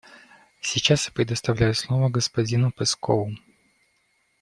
Сейчас я предоставляю слово господину Пэскоу.